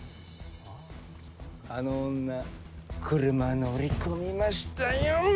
あの女車乗り込みましたよん！